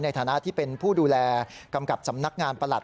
ในฐานะที่เป็นผู้ดูแลกำกับสำนักงานประหลัด